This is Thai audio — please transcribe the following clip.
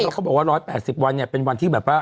เขาบอกว่า๑๘๐วันเนี่ยเป็นวันที่แบบว่า